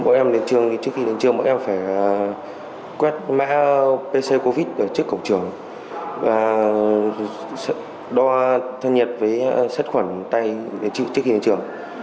trước khi đến trường mỗi em phải quét mã pc covid ở trước cổng trường và đo thân nhiệt với sất khuẩn tay trước khi đến trường